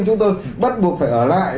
chúng tôi bắt buộc phải ở lại